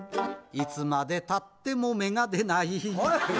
いつまでたっても芽が出ないこれ！